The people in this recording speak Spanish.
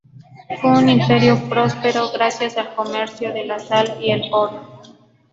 Fue un imperio próspero gracias al comercio de la sal y el oro.